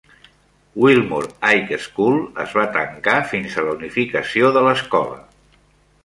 Wilmore High School es va tancar fins la unificació de l"escola.